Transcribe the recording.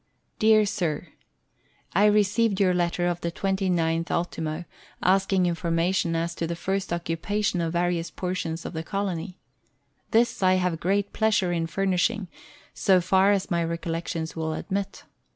DEAR SIR, I received your letter of the 29th ult., asking information as to the first occupation of various portions of the colony. This I have great pleasure in furnishing, so far as my recollection will admit.